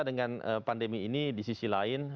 dengan pandemi ini di sisi lain